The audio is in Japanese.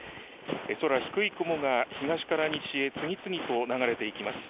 空、低い雲が東から西へ、次々と流れていきます。